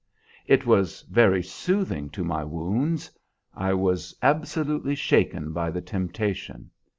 "It was very soothing to my wounds. I was absolutely shaken by the temptation.